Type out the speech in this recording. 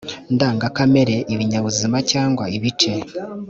ndangakamere ibinyabuzima cyangwa ibice